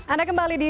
anda kembali di